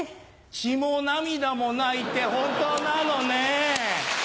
血も涙もないって本当なのね。